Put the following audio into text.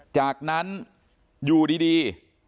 จากนั้นอยู่ดี